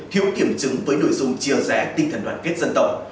thiếu kiểm chứng với nội dung chia rẽ tinh thần đoàn kết dân tộc